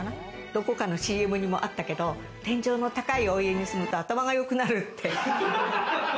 どっちかのＣＭにもあったけど、天井の高い家に住むと頭がよくなるって。